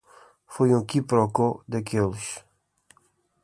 Foi um quiproquó daqueles!